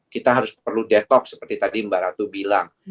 kita harus perlu detok seperti tadi mbak ratu bilang